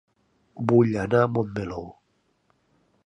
Vull anar a Montmeló